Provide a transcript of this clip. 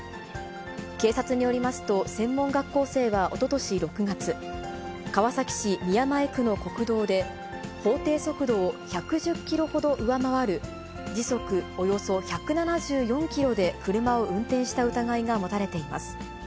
警察によりますと、専門学校生はおととし６月、川崎市宮前区の国道で、法定速度を１１０キロほど上回る時速およそ１７４キロで車を運転した疑いが持たれています。